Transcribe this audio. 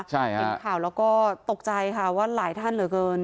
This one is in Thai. ใช่ค่ะเห็นข่าวแล้วก็ตกใจค่ะว่าหลายท่านเหลือเกิน